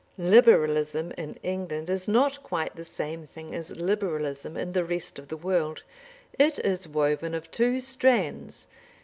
Liberalism in England is not quite the same thing as Liberalism in the rest of the world; it is woven of two strands.